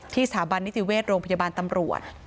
สถาบันนิติเวชโรงพยาบาลตำรวจ